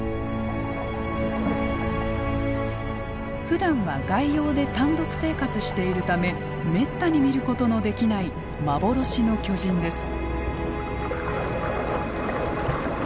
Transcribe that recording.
ふだんは外洋で単独生活しているためめったに見ることのできない幻の巨人です。